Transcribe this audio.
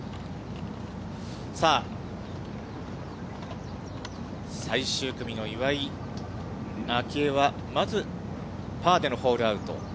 さあ、最終組の岩井明愛は、まずパーでのホールアウト。